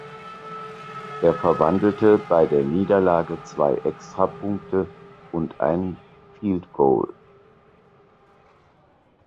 Er verwandelte bei der Niederlage zwei Extrapunkte und ein Field Goal.